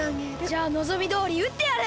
じゃあのぞみどおりうってやる！